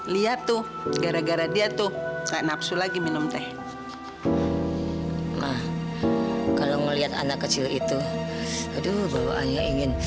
sampai jumpa di video selanjutnya